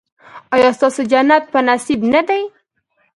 ایا ستاسو جنت په نصیب نه دی؟